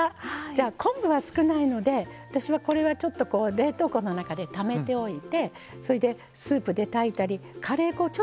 じゃあ昆布は少ないので私はこれはちょっとこう冷凍庫の中でためておいてそれでスープで炊いたりカレー粉をちょっと入れたりするんですよ。